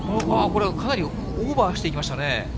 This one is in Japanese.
これはかなりオーバーしていきましたね。